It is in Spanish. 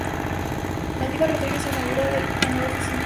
Malvina Rodríguez se inaugura la nueva oficina.